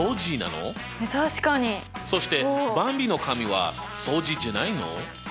そしてばんびの紙は相似じゃないの？